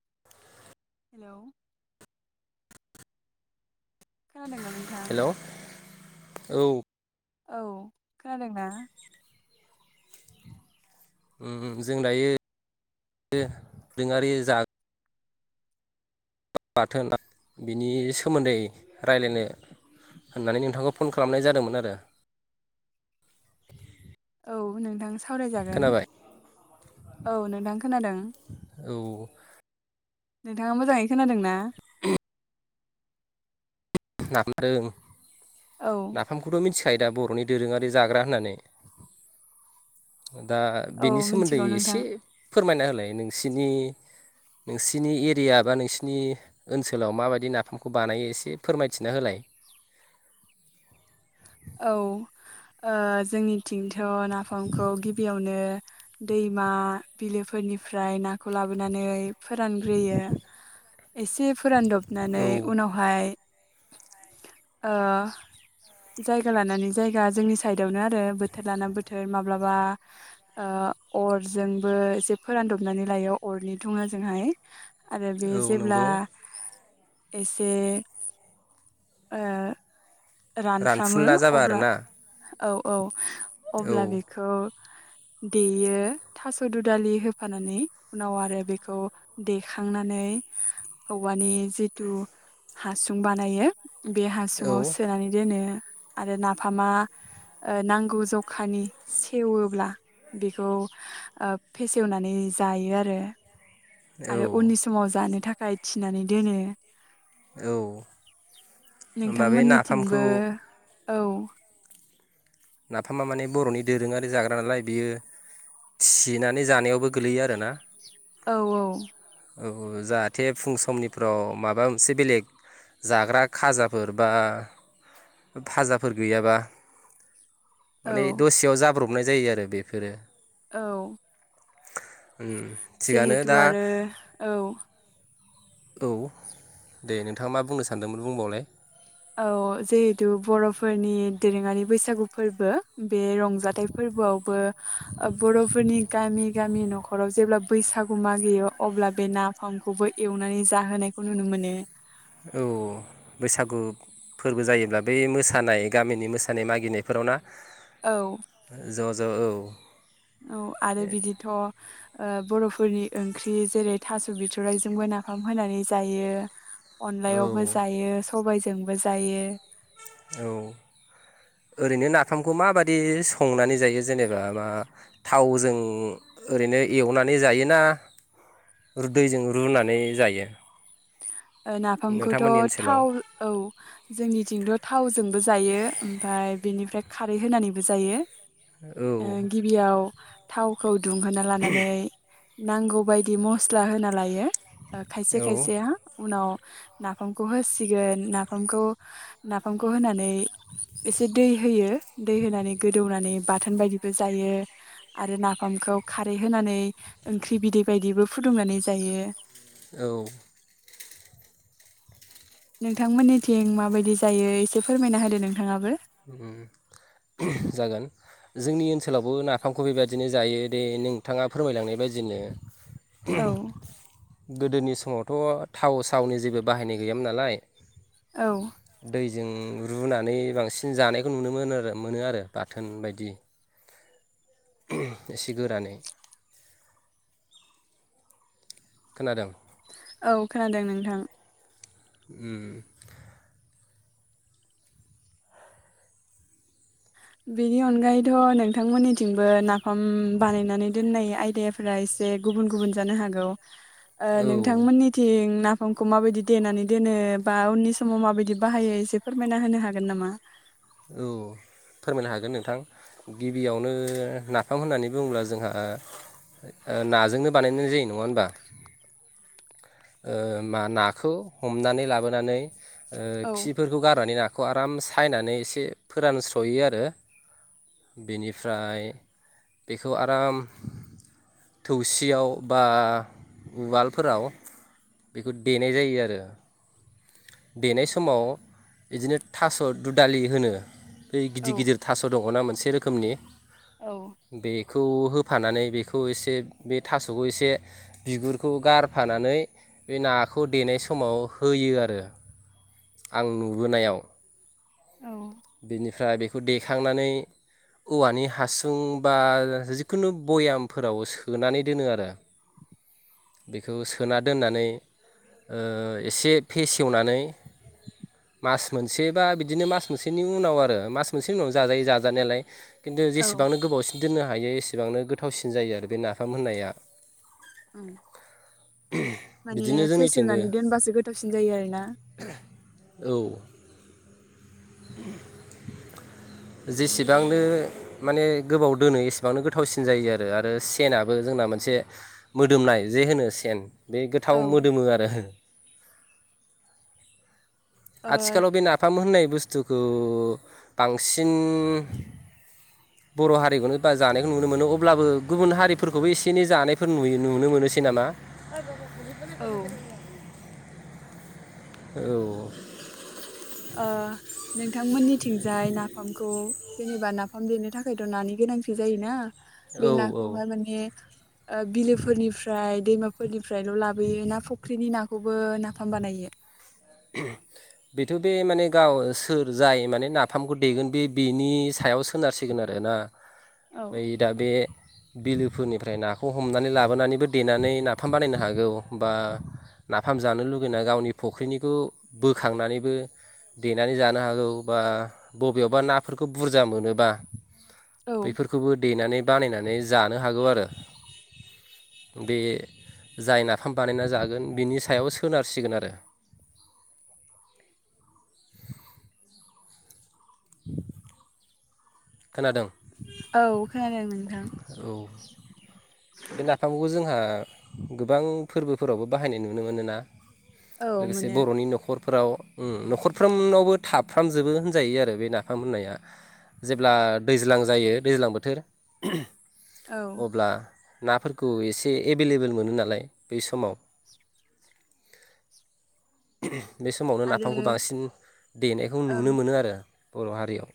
[inaudible] Hello खोनादोंना नोंथां। Hello औ। औ खोनादोंना। ओम ओम जों दायो दोरोंङारि जाग्रा। बाथोन बिनि सोमोन्दै रायलायनो होननानैनो नोंथांखौ फन खालामनाय जादोंमोन आरो। औ नोंथां सा। सावराय जागोन खोनाबाय औ नोंथां खोनादों। औ। नोंथाङा मोजांङै खोनादोंना। [unintelligible] नादों। औ नाफामखौथ मिथि साइदा बरनि दोरोंङारि जाग्रा होननानै। दा औ बेनि सोमोन्दै मिथिगौ नोंथां एसे। फोरमायना होलाय नोंसिनि नोंसिनि एरिया बा नोंसिरनि ओनसोलाव माबायदि नाफामखौ बानायो एसे। फोरमायथिना होलाय। औ ओ जोंनि थिंथ ना। फामखौ गिबियावनो। दैमा बिलोफोरनिफ्राय नाखौ लाबोनानै फोरानग्रोयो। एसे फोरानदब नानै औ उनावहाय ओ जायगा लानानै जायगा जोंनि साइदावनो आरो बोथोर लाना बोथोर माब्लाबा ओ अरजोंबो एसे फोरानदबनानै लायो अरनि धुङाजोंहाय आरो बे औ जेब्ला नंगौ एसे ओ रानफ्रामो रानफुनला जाबा अब्ला आरोना? औ औ औ अब्ला बेखौ देयो थास' दु दालि होफानानै उनाव आरो बेखौ देखांनानै औवानि जिथु हासुं बानायो बे हासुङाव सो नानै दोनो आरो नाफामा ओ नांगौ जखानि सेवोब्ला बेखौ ओब फेसेवनानै जायो आरो आरो औ उननि समाव जानो था खाय थिनानै दोनो। औ होमबा बे नोंथांमोननिथिंबो नाफामखौ औ। नाफामा माने बर'नि दोरोङारि जाग्रा नालाय बियो थिनानै जानायावबो गोलैयो आरोना? औ औ। औ औ जाहाथे फुं समनिफ्राव माबा मोनसे बेलेग जाग्रा खाजाफोर बा भाजाफोर गैयाबा औ माने दसेयाव जा ब्रबनाय जायो आरो बेफोरो औ। उम थिगानो जिहेथु दा आरो औ। औ दे नोंथाङा मा बुंनो सानदोंमोन बुंबावलाय। औ जिहेतु बर'फोरनि दोरोङारि बैसागु फोरबो। बे रंजाथाइ फोरबोआवबो ओब बर'फोरनि गामि गामि न'खराव जेब्ला बैसागु मागियो अब्ला बे नाफामखौबो एवनानै जाहोनायखौ नुनो मोनो। औ बैसागु फोरबो जायोब्ला बे मोसानाय गामिनि मोसानाय मागिनायफोराव ना? औ ज' ज' औ आरो बिदिथ' ओ बर' फोरनि ओंख्रि जेरै थास' बिथ'राइजोंबो नाफाम होनानै जायो। अनलायावबो जायो सबाइ जोंबो जायो। औ ओरैनो नाफामखौ माबादि संनानै जायो जेनेबा मा थावजों ओरैनो एवनानै जायोना दैजों रुनानै जायो? ओ नाफामखौथ' नोंथांमोननि ओनसोलाव थाव औ जोंनिथिंथ' थावजोंबो जायो ओमफाय बेनिफ्राय खारै होनानैबो जायो। औ ओ गिबियाव थावखौ दुंहोना लानानै नांगौबायदि मस्ला होना लायो। ओ खायसे औ खायसेहा उनाव नाफामखौ होसिगोन नाफामखौ नाफामखौ होनानै एसे दै होयो दै होनानै गोदौनानै बाथोन बायदिबो जायो आरो नाफामखौ खारै होनानै ओंख्रि बिदै बायदिबो फुदुंनानै जायो। औ। नोंथांमोननिथिं माबायदि जायो एसे फोरमायना होदो नोंथाङाबो। उम जागोन जोंनि ओनसोलावबो नाफामखौ बेबायदिनो जायो दे नोंथाङा फोरमायलांनाय बादिनो। औ। गोदोनि समावथ' थाव सावनि जेबो बाहायनाय गैयामोन नालाय। औ। जों रुनानै बांसिन जानायखौ नुनो मोनो आरो मोनो आरो बाथोन बायदि। एसे गोरानै। खोनादों। औ खोनादों नोंथां। उम। बेनि अनगायैथ नोंथांमोननिथिंबो नाफाम बानायनानै दोननाय आयदायाफोरा एसे गुबुन गुबुन जानो हागौ। ओ औ नोंथांमोननिथिं नाफ समखौ माबायदि देनानै दोनो बा उननि समाव माबायदि बाहायो एसे फोरमायना होनो हागोन नामा? औ। फोरमायनो हागोन नोंथां गिबियावनो नाफाम होननानै बुङोब्ला जोंहा ओ नाजोंनो बानायनाय जायो नङा होमबा। ओ मा नाखौ हमनानै लाबोनानै ओ औ खिफोरखौ गारनानै ना बेखौ आराम सायनानै एसे फोरानस्रयो आरो बेनिफ्राय बेखौ आराम थौसियाव बा उवालफोराव बेखौ देनाय जायो आरो। देनाय समाव बिदिनो थास दु दालि होनो बेै गिदिर औ गिदिर थास दङना मोनसे से रोखोमनि औ बेखौ होफ होफानानै बेखौ एसे बे थासखौ एसे बिगुरखौ गारफानानै बे नाखौ देनाय समाव होयो आरो। आं नुबोनायाव। औ बेनिफ्राय बेखौ देखांनानै औवानि हासुं बा जिखुनु भयामफोराव सोनानै दोनो आरो बेखौ सोना दोननानै ओ एसे फेसेवनानै मास मोनसे बा बिदिनो मास मोसेनि उनाव आरो मास मोनसेनि उनाव जाजायो जाजानायालाय खिन्थु जेसेबांनो गोबावसिनो दोननो हा हायो एसेबांनो गोथावसिन जायो आरो बे नाफाम होननाया। उम माने बिदिनो जोंनिथिंबो फेसेवनानै दोनबासो गोथावसिन जायो आरोना। औ जेसेबांनो माने गोबाव दोनो एसेबांनो गोथावसिन जायो आरो आरो सेनाबो जोंना मोनसे मोदोमनाय जे होनो सेन। बे गोथाव औ मोदोमो आरो। आथिखालाव बेनो नाफाम होननाय बुस्थुखौ बांसिन बर' हारिखौनो बा जानायखौ नुनो मोनो अब्लाबो गुबुन हारिफोरखौबो एसे एनै जानायफोर नु नुनो मोनोसै दाना। औ। औ। नोंथांमोननिथिंजाय नाफामखौ जेनेबा नाफाम देनो थाखायथ' नानि गोनांथि जायोना। औ बे औ नाखौहाय माने ओ बिलोफोरनिफ्राय दैमाफोरनिफ्रायल' लाबोयो ना फुख्रिनि नाखौबो नाफाम बानायो। बेथ' बे माने गाव सोर जाय माने नाफामखौ देगोन बे बिनि सायाव सोनारसिगोन आरोना। औ बै दा बे बिलोफोरनिफ्राय नाखौ हमनानै लाबोनानैबो देनानै नाफाम बानायनो हागौ बा नाफाम जानो लुुबैना गावनि फख्रिनि बेखौ बोखांनानैबो देनानै जानो हागौ बा बबेयावबा नाफोरखौ बुरजा मोनोबा बैफोरखौबो देनानै बानायनानै जानो हागौ आरो बे जाय नाफाम बानायना जागोन बिनि सायाव सोनारसिगोन आरो। [inaudible] [inaudible] खोनादों। औ। खोनादों नोंथां। औ बे नाफामखौ जोंहा गोबां फोरबोफोरावबो बाहायनाय नुनो मोनोना। औ लोगोसे मोनो बर'नि न'खर फोराव न'खरफ्रोमनावबो थाफ्रामजोबो होनजायो आरो बे नाफाम होननाया जेब्ला दैज्लां जायो दैज्लां बोथोर। औ अब्ला नाफोरखौ एसे एभेलेबेल मोनो नालाय बै समाव बे समावनो आरो नाफामखौ बांसिन देनायखौ औ नुनो मोनो आरो। बर' हारियाव।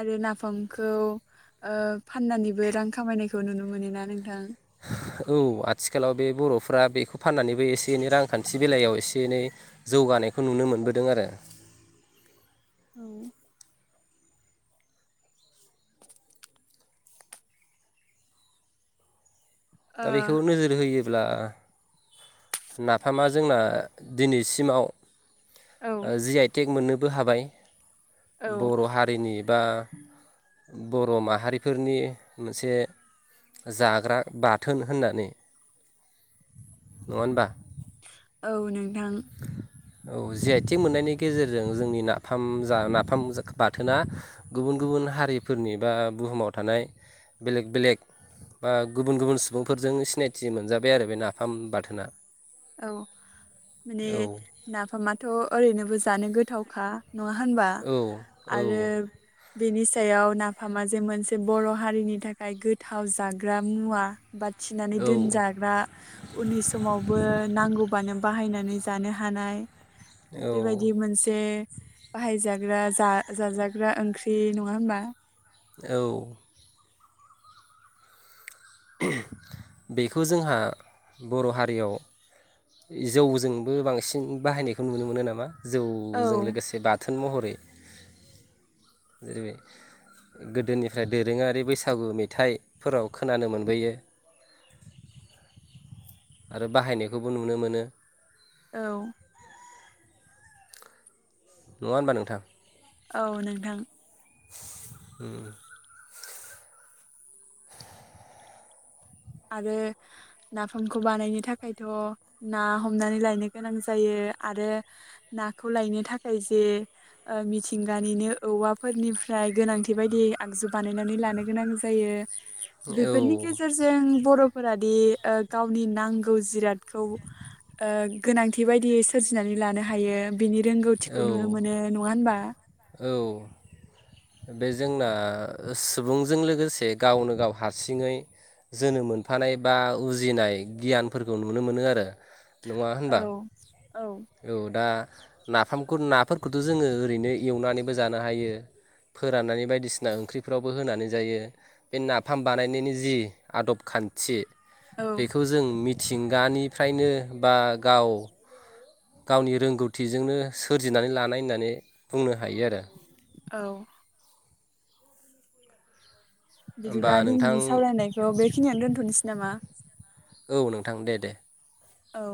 आरो नाफामखौ फाननानैबो ओ रां खामायनायखौ नुनो मोनोना नोंथां। औ आथिखालाव बे बर'फ्रा बेखौ फाननानैबो एसे एनै रांखान्थि बेलायाव एसे एनै जौगानायखौ नुनो मोनबोदों आरो। औ। दा ओ बेखौ नोजोर होयो। ब्ला नाफामा जोंना दिनैसिमाव औ जि आइटेक मोननो बो हाबाय औ बर' हारिनि बा बर' माहारिफोरनि मोनसे जाग्रा बाथ थोन होननानै नङ होनबा औ नों थां औ जि आइथि मोननायनि गेजेरजों जोंनि नाफाम जा नाफाम बाथोना गुबुन गुबुन हारिफोरनि बा बुहुमाव थानाय बेलेग बेलेग बा गुबुन गुबुन सुबुंफोरजों सिनायथि मोनजाबाय आरो बे नाफाम बाथोना। औ। माने औ नाफामाथ' ओरैनोबो जानो गोथावखा नङा होनबा औ आरो औ बेनि फिथायायाव नाफामा जे मोनसे बर' हारिनि थाखाय गोथाव जाग्रा मुवा बाथिनानै औ दोनजाग्रा उननि समाव नांगौबानो बाहायनानै जानो हानाय। औ बेबायदि मोनसे बाहायजागो जाजाग्रा ओंख्रि नङा होमबा। औ बेखौ जोंहा बर' हारियाव जौजोंबो बांसिन बाहायनायखौ नुनो मोनो नामा। जौजों औ लोगोसे बाथोन महरै जै गोदोनिफ्राय दोरोङारि बैसागु मेथाइफोराव खोनानो मोन। मोनबोयो। आरो बाहायनायखौबो नुनो मोनो। औ नङ होनबा नोंथां। औ नोंथां। उम [unintelligible] आरो नाफामखौ बानायनो थाखायथ' ना हमनानै लायनो गोनां जायो आरो नाखौ लायनो थाखाय जे मिथिंगानिनो औवाफोरनिफ्राय गोनांथि बायदि आगजु बानायनानै लानो गोनां जायो। औ बेफोरनि गेजेरजों बर'फोरादि गावनि नांगौ जिरादखौ गोनांथि बायदियै सोरजिनानै लानो हायो। बिनि औ रोंगौथिखौ नुनो मोनो नङा होनबा। औ बे जोंना सुबुंजों लोगोसे गावनो गाव हारसिङै जोनोम मोनफानाय बा उजिनाय गियानफोरखौ नुनो मोनो आरो। नङा होनबा औ औ दा नाफामखौ ना। फोरखौथ' जोङो ओरैनो एवनानैबो जानो हायो फोराननानै बायदिसिना ओंख्रिफ्रावबो होनानै जायो बे नाफाम बानायनायनि जि आदब खान्थि। औ बेखौ जों मिथि थिंगानिफ्रायनो बा गाव गावनि रोंगौथिजोंनो सोरजिनानै लानाय होननानै बुंनो हायो आरो। औ। होमबा बिदिब्ला नोंथां दिनैनि सावरायनायखौ बे। खिनियावनो दोन्थ'नोसै नामा। औ नोंथां दे दे। औ।